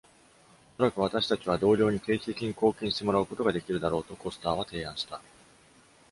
「おそらく私たちは、同僚に定期的に貢献してもらうことができるだろう」とコスターは提案した。